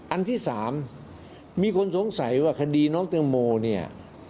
อันที่๓มีคนสงสัยว่าคดีน้องแตงโมเนี่ย